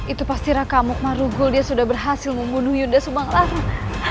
itu pasti raka amuk marugul dia sudah berhasil membunuh yuda subanglarang